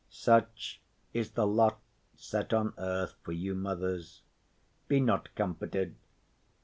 Such is the lot set on earth for you mothers. Be not comforted.